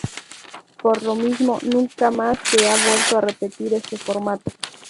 Por lo mismo, nunca más se ha vuelto a repetir este formato.